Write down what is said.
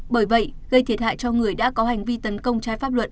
bởi vậy gây thiệt hại cho người đã có hành vi tấn công trái pháp luật